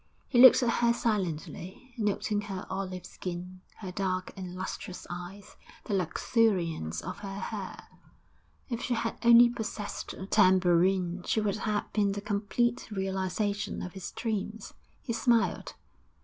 He looked at her silently, noting her olive skin, her dark and lustrous eyes, the luxuriance of her hair. If she had only possessed a tambourine she would have been the complete realisation of his dreams. He smiled.